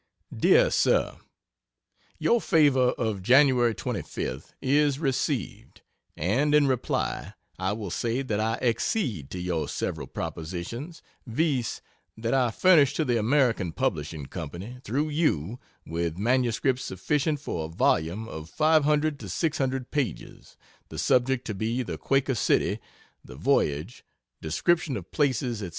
DEAR SIR, Your favor of Jan. 25th is received, and in reply, I will say that I accede to your several propositions, viz: That I furnish to the American Publishing Company, through you, with MSS sufficient for a volume of 500 to 600 pages, the subject to be the Quaker City, the voyage, description of places, &c.